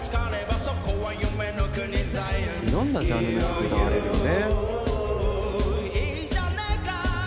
「いろんなジャンルの曲歌われるよね」